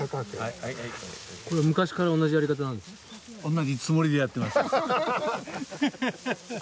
同じつもりでやってます。